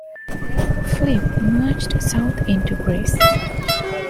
Philip marched south into Greece.